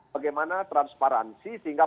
bagaimana transparansi sehingga